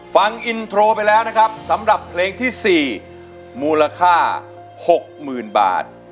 ฟังอินโทรไปแล้วนะครับสำหรับเพลงที่๔มูลค่า๖๐๐๐บาท